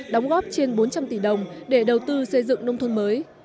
đóng góp trên bốn trăm linh tỷ đồng để đầu tư xây dựng nông thôn mới